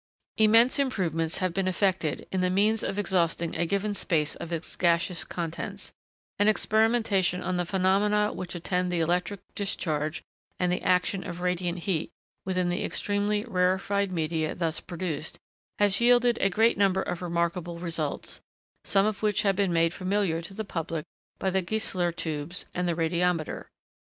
Immense improvements have been effected, in the means of exhausting a given space of its gaseous contents; and experimentation on the phenomena which attend the electric discharge and the action of radiant heat, within the extremely rarefied media thus produced, has yielded a great number of remarkable results, some of which have been made familiar to the public by the Gieseler tubes and the radiometer.